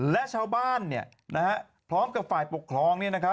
และชาวบ้านพร้อมกับฝ่ายปกครอง